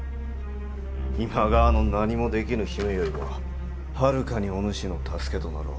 今川の何もできぬ姫よりもはるかにお主の助けとなろう。